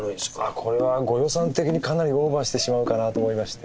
これはご予算的にかなりオーバーしてしまうかなと思いまして。